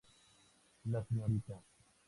La srta.